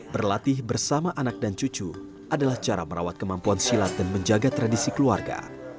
berlatih bersama anak dan cucu adalah cara merawat kemampuan silat dan menjaga tradisi keluarga